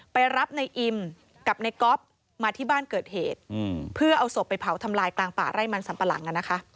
ไปรับในอิมกับในก๊อฟมาที่บ้านเกิดเหตุเพื่อเอาศพไปเผาทำลายกลางป่าไร่มันสัมปะหลัง